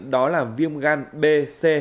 đó là viêm gan b c